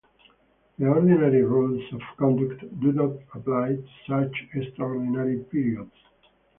The ordinary rules of conduct do not apply to such extraordinary periods.